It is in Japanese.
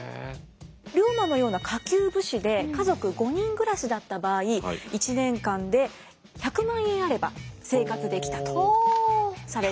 龍馬のような下級武士で家族５人暮らしだった場合１年間で１００万円あれば生活できたとされています。